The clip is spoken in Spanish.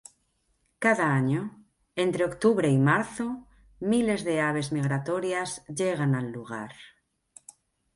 Cada año, entre octubre y marzo, miles de aves migratorias llegan al lugar.